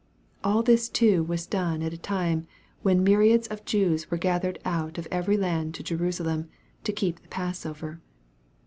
All this too was done at a time when myriads of Jews were gathered out of every land to Jerusalem, to keep the Passover.